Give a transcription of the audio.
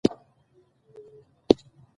د څاښت وخت کي دوه رکعته نفل لمونځ کافي کيږي